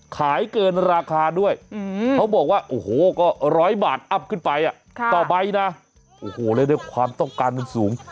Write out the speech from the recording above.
ขายเกินราคาด้วยเขาบอกว่าโอ้โหก็ร้อยบาทอัพขึ้นไปต่อใบนะโอ้โหแล้วด้วยความต้องการมันสูง